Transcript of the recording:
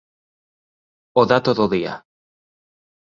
O dato do día: